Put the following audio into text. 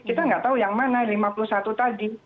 kita nggak tahu yang mana lima puluh satu tadi